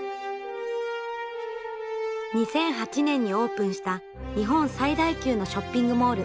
２００８年にオープンした日本最大級のショッピングモール。